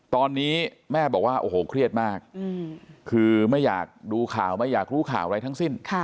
ตอนนี้แม่บอกว่าโอ้โหเครียดมากคือไม่อยากดูข่าวไม่อยากรู้ข่าวอะไรทั้งสิ้น